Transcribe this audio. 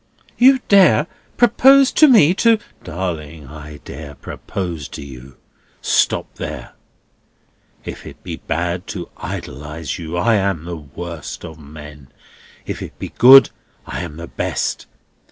"You dare propose to me to—" "Darling, I dare propose to you. Stop there. If it be bad to idolise you, I am the worst of men; if it be good, I am the best.